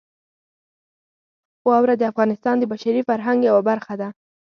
واوره د افغانستان د بشري فرهنګ یوه برخه ده.